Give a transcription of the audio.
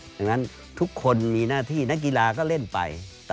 ดังนั้นทุกคนมีหน้าที่นักกีฬาก็เล่นไป